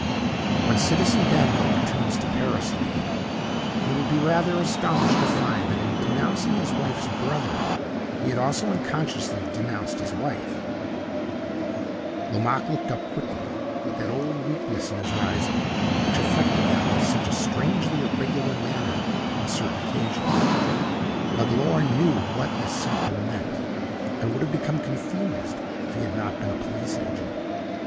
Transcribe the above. "When Citizen Danville returns to Paris," he began, "he will be rather astonished to find that in denouncing his wife's brother he had also unconsciously denounced his wife." Lomaque looked up quickly, with that old weakness in his eyes which affected them in such a strangely irregular manner on certain occasions. Magloire knew what this symptom meant, and would have become confused if he had not been a police agent.